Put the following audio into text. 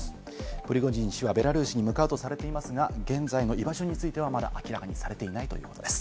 プリゴジン氏はベラルーシに迎えようとされていますが、現在の居場所は明らかにされていないということです。